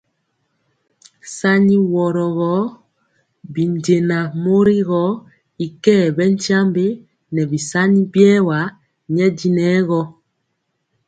Sani woro gɔ binjɛnaŋ mori gɔ y kɛɛ bɛ tyiambe nɛ bisani biewa nyɛ dinɛ gɔ.